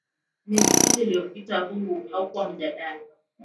Miezi sita iliyopita huu haukuwa mjadala